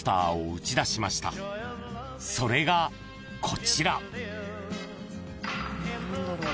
［それがこちら］